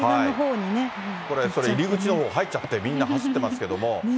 これ、入り口のほう入っちゃって、みんな走ってますけど。